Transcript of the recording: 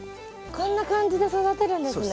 こんな感じで育てるんですね。